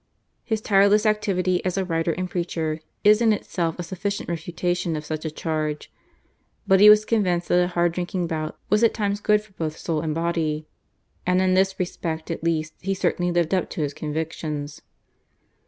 His tireless activity as a writer and preacher is in itself a sufficient refutation of such a charge, but he was convinced that a hard drinking bout was at times good for both soul and body, and in this respect at least he certainly lived up to his convictions.